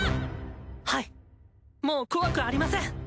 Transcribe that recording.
ハイもう怖くありません！